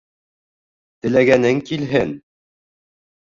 — Теләгәнең килһен!